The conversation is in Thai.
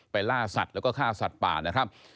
ล่าสัตว์แล้วก็ฆ่าสัตว์ป่านะครับ